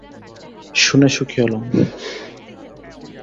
শুনে সুখী হলাম।